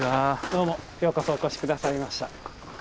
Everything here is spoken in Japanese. どうもようこそお越し下さいました。